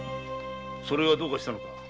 それがどうかしたのか。